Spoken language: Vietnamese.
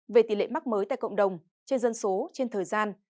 về tỷ lệ mắc mới tại cộng đồng trên dân số trên thời gian